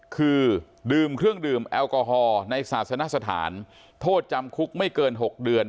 คือดื่มเครื่องดื่มแอลกอฮอล์ในศาสนสถานโทษจำคุกไม่เกิน๖เดือน